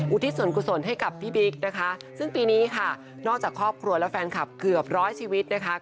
ทิศส่วนกุศลให้กับพี่บิ๊กนะคะซึ่งปีนี้ค่ะนอกจากครอบครัวและแฟนคลับเกือบร้อยชีวิตนะคะ